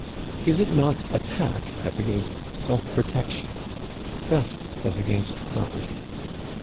Is it not attack as against self protection, theft as against property?